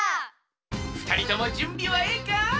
ふたりともじゅんびはええか？